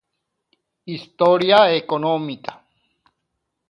Historia económica